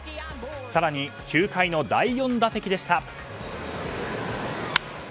更に９回の第４打席でした。